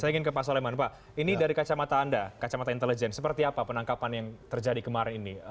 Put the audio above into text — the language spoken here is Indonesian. saya ingin ke pak soleman pak ini dari kacamata anda kacamata intelijen seperti apa penangkapan yang terjadi kemarin ini